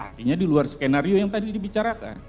artinya di luar skenario yang tadi dibicarakan